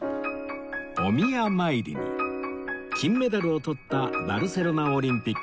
お宮参りに金メダルをとったバルセロナオリンピック